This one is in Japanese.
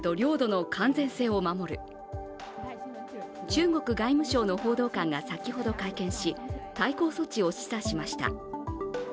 中国外務省の報道官が先ほど会見し、対抗措置を示唆しました。